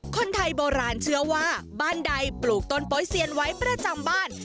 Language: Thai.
คนไทยโบราณเชื่อว่าบ้านใดปลูกต้นโป๊เซียนไว้ประจำบ้าน